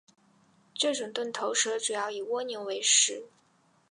这种钝头蛇主要以蜗牛为食。